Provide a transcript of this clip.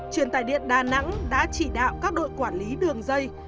truyền tài điện đà nẵng đã chỉ đạo các đội quản lý đường dây